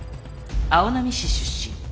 青波市出身。